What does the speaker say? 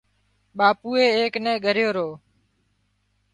ٻاپوئي ايڪ نين ڳريو رو